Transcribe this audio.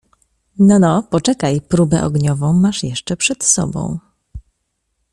— No, no, poczekaj, próbę ogniową masz jeszcze przed sobą.